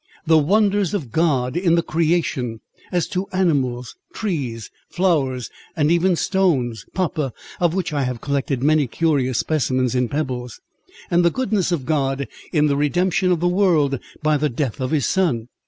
"The wonders of God in the creation, as to animals, trees, flowers, and even stones, papa (of which I have collected many curious specimens in pebbles), and the goodness of God in the redemption of the world by the death of his Son.